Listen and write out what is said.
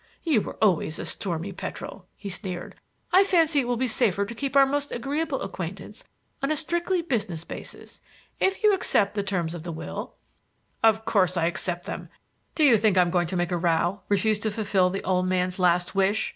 You always were a stormy petrel," he sneered. "I fancy it will be safer to keep our most agreeable acquaintance on a strictly business basis. If you accept the terms of the will—" "Of course I accept them! Do you think I am going to make a row, refuse to fulfil that old man's last wish!